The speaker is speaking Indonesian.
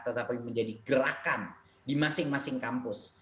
tetapi menjadi gerakan di masing masing kampus